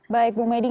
baik mbak meding